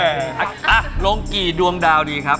ลงกี่ดวงดาวดีครับ